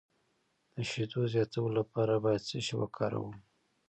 د شیدو زیاتولو لپاره باید څه شی وکاروم؟